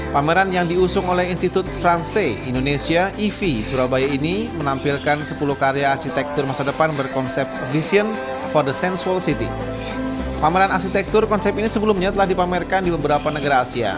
pameran arsitektur konsep ini sebelumnya telah dipamerkan di beberapa negara asia